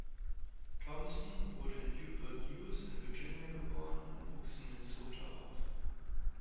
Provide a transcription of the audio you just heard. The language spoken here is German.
Thompson wurde in Newport News in Virginia geboren und wuchs in Minnesota auf.